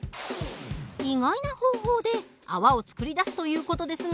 意外な方法で泡を作り出すという事ですが。